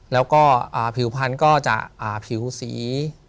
แล้วก็ผิวพันธุ์ก็จะผิวสี